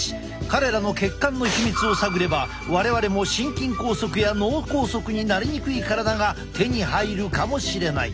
彼らの血管のヒミツを探れば我々も心筋梗塞や脳梗塞になりにくい体が手に入るかもしれない。